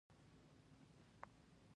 کربوړی څه کوي؟